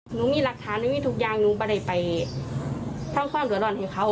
หนูมีรักฐานหนูมีทุกอย่างหนูบรรยายไปทั้งความสอบร้อนให้เขา